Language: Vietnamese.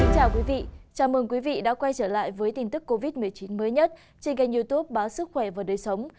chào mừng quý vị đã quay trở lại với tin tức covid một mươi chín mới nhất trên kênh youtube báo sức khỏe và đời sống